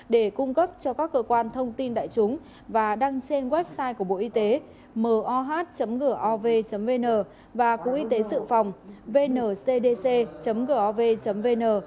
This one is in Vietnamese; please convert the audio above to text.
để cung cấp cho các cơ quan thông tin đại chúng và đăng trên website của bộ y tế moh gov vn và cục y tế sự phòng vncdc gov vn